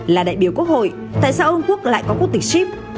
là đại biểu quốc hội tại sao ông quốc lại có quốc tịch ship